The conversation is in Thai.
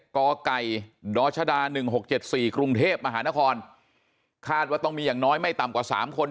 กไก่ดชด๑๖๗๔กรุงเทพมหานครคาดว่าต้องมีอย่างน้อยไม่ต่ำกว่า๓คน